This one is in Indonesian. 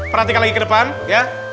perhatikan lagi ke depan ya